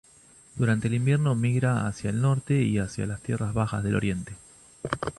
Durante el invierno migra hacia el norte y hacia las tierras bajas del oriente.